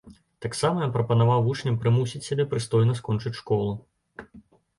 Таксама ён прапанаваў вучням прымусіць сябе прыстойна скончыць школу.